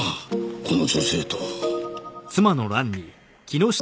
この女性と。